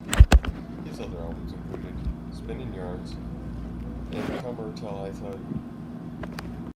His other albums included "Spinnin' Yarns" and "Come 'er till I tell You".